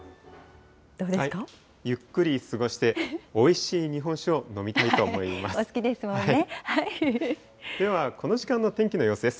ゆっくり過ごして、おいしい日本酒を飲みたいと思います。